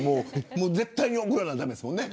絶対に送らないと駄目ですもんね。